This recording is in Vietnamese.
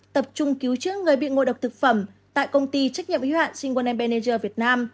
tập trung cứu trước người bị ngộ độc thực phẩm tại công ty trách nhiệm hệ hạn singleton manager việt nam